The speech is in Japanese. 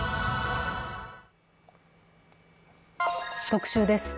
特集です。